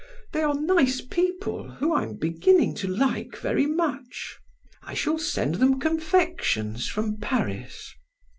They are nice people whom I am beginning to like very much. I shall send them confections from Paris."